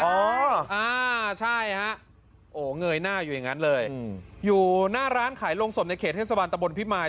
อ๋ออ่าใช่ฮะโอ้เงยหน้าอยู่อย่างนั้นเลยอยู่หน้าร้านขายโรงศพในเขตเทศบาลตะบนพิมาย